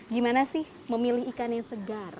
gimana sih memilih ikan yang segar